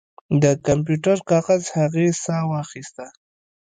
د کمپیوټر کاغذ هغې ساه واخیسته